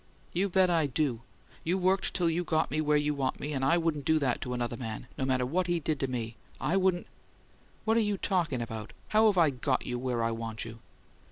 "You bet I do! You worked till you got me where you want me; and I wouldn't do that to another man, no matter what he did to me! I wouldn't " "What you talkin' about! How've I 'got you where I want you?'"